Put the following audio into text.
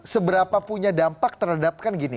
seberapa punya dampak terhadapkan gini